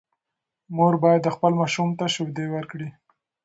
مور باید خپل ماشوم ته شیدې ورکړي.